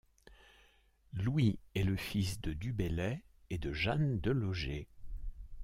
Louis est le fils de du Bellay, et de Jeanne de Logé.